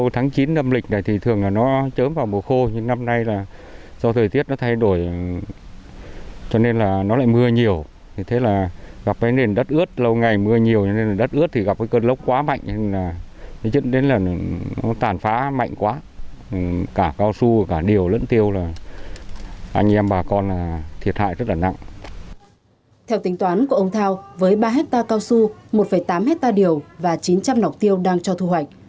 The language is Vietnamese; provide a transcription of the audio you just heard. theo tính toán của ông thao với ba hectare cao su một tám hectare đều và chín trăm linh nọc tiêu đang cho thu hoạch